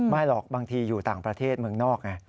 ไม่หรอกบางทีอยู่ต่างประเทศเมืองนอกไง